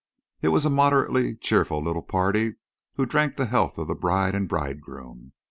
It was a moderately cheerful little party who drank the health of the bride and bridegroom.